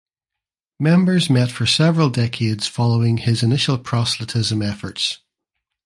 Members met for several decades following his initial proselytism efforts.